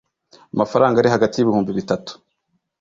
amafaranga ari hagati y ibihumbi bitatu